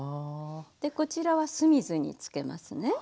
でこちらは酢水につけますね。